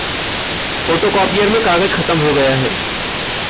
Photocopier में कागज़ खतम हो गया है।